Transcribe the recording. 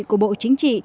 của bộ chính trị